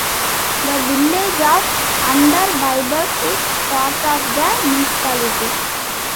The village of "Unterbiberg" is part of the municipality.